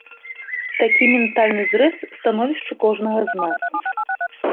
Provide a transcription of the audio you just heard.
Такі ментальны зрэз становішча кожнага з нас.